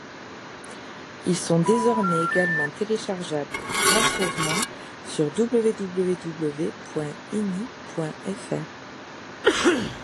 Ils sont désormais également téléchargeables gracieusement sur www.ini.fr.